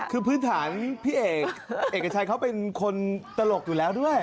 คือพื้นฐานพี่เอกเอกชัยเขาเป็นคนตลกอยู่แล้วด้วย